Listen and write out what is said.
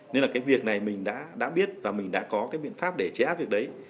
nên là cái việc này mình đã biết và mình đã có cái biện pháp để trẻ áp việc đấy